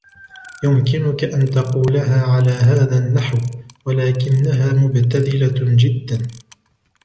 يمكنكَ أن تقولها على هذا النحو, ولكنها مُبتذلة جداَ.